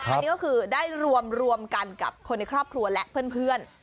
อันนี้ก็คือได้รวมกันกับคนในครอบครัวและเพื่อน